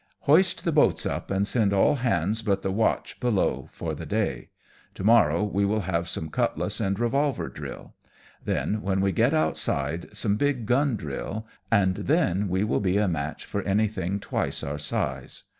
" Hoist the boats up, and send all hands but the watch below for the day. To morrow we will have some cutlass and revolver drill ; then, when we get out side, some big gun drill, and then we will be a match for anything twice our size."